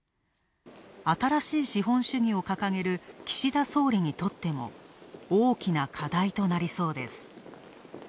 新しい資本主義を掲げる岸田総理にとっても大きな課題となりそうです。